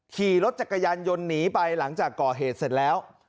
ขี่รถจักรยานยนต์หนีไปหลังจากก่อเหตุเสร็จแล้ว